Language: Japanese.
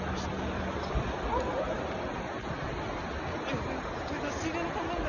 親分そいつは仕入れの金だ。